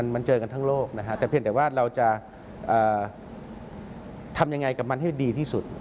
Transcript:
มันเจอกันทั้งโลกนะฮะแต่เพียงแต่ว่าเราจะทำยังไงกับมันให้ดีที่สุด